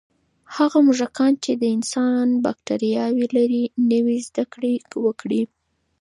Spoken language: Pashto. هغه موږکان چې د انسان بکتریاوې لري، نوې زده کړې وکړې.